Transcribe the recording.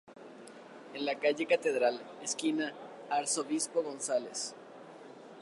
En la calle Catedral, esquina Arzobispo Gonzalez.